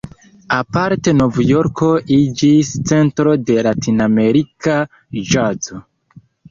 Aparte Novjorko iĝis centro de ”latinamerika ĵazo".